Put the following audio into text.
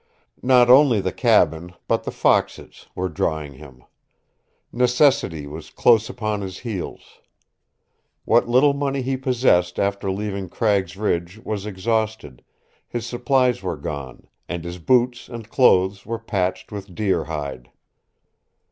Not only the cabin, but the foxes, were drawing him. Necessity was close upon his heels. What little money he possessed after leaving Cragg's Ridge was exhausted, his supplies were gone, and his boots and clothes were patched with deer hide.